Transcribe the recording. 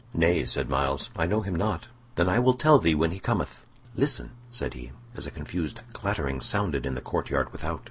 "Nay," said Myles, "I know him not." "Then I will tell thee when he cometh. Listen!" said he, as a confused clattering sounded in the court yard without.